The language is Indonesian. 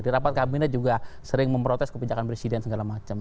di rapat kabinet juga sering memprotes kebijakan presiden segala macam